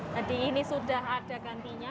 ini sudah ada gantinya